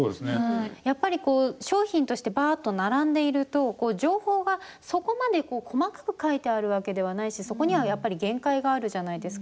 やっぱり商品としてバーッと並んでいると情報がそこまで細かく書いてあるわけではないしそこには、やっぱり限界があるじゃないですか。